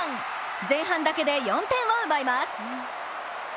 前半だけで４点を奪います。